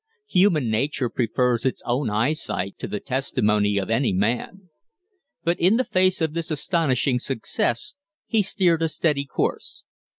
Human nature prefers its own eyesight to the testimony of any man. But in face of this astonishing success he steered a steady course.